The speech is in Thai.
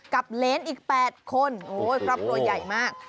เลนอีก๘คนโอ้ยครอบครัวใหญ่มาก